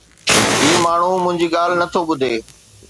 هي ماڻهو منهنجي ڳالهه نه ٿو ٻڌي